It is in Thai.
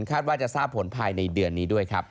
คาดว่าจะทราบผลภายในเดือนนี้ด้วยครับ